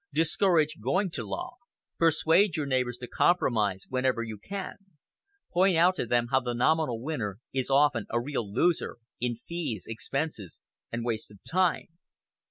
Discourage going to law. "Persuade your neighbors to compromise whenever you can. Point out to them how the nominal winner is often a real loser in fees, expenses, and waste of time.